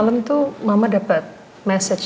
nama anak kedua mamah